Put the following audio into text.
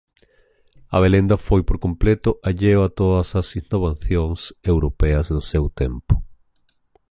Abelenda foi por completo alleo a todas as innovacións europeas do seu tempo.